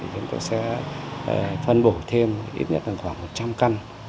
chúng tôi sẽ phân bổ thêm ít nhất là khoảng một trăm linh căn